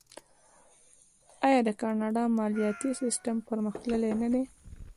آیا د کاناډا مالیاتي سیستم پرمختللی نه دی؟